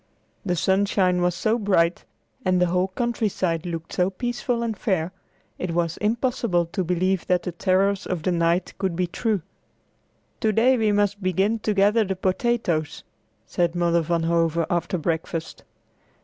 The sunshine was so bright, and the whole countryside looked so peaceful and fair, it was impossible to believe that the terrors of the night could be true. "To day we must begin to gather the potatoes," said Mother Van Hove after breakfast.